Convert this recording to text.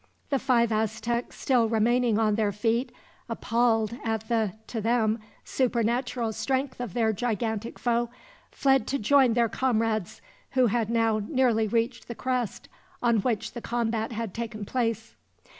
The five Aztecs still remaining on their feet, appalled at the, to them, supernatural strength of their gigantic foe, fled to join their comrades, who had now nearly reached the crest on which the combat had taken place.